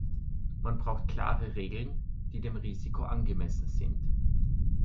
Man braucht klare Regeln, die dem Risiko angemessen sind.